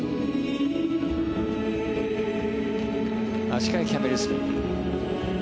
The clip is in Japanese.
足換えキャメルスピン。